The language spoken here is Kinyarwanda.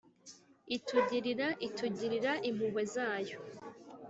itugirira itugirira impuhwe zayo.